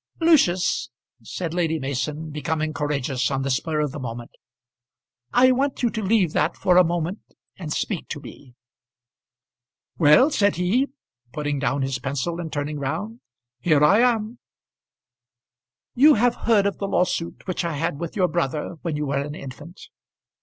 "Lucius," said Lady Mason, becoming courageous on the spur of the moment, "I want you to leave that for a moment and speak to me." "Well," said he, putting down his pencil and turning round. "Here I am." "You have heard of the lawsuit which I had with your brother when you were an infant?"